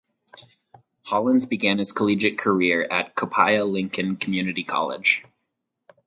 Hollins began his collegiate career at Copiah–Lincoln Community College.